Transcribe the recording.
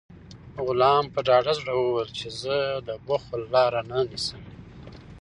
غلام په ډاډه زړه وویل چې زه د بخل لاره نه نیسم.